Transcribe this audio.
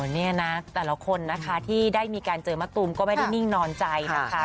นี่นะแต่ละคนนะคะที่ได้มีการเจอมะตูมก็ไม่ได้นิ่งนอนใจนะคะ